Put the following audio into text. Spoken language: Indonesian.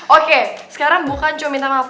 oke sekarang bukan cuma minta maaf